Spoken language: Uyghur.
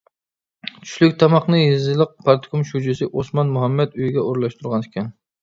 چۈشلۈك تاماقنى يېزىلىق پارتكوم شۇجىسى ئوسمان مۇھەممەت ئۆيىگە ئورۇنلاشتۇرغانىكەن.